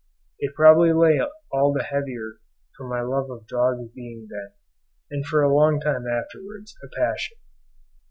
It probably lay all the heavier from my love of dogs being then, and for a long time afterwards, a passion.